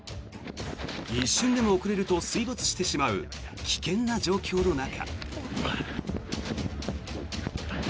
一瞬でも遅れると水没してしまう危険な状況の中。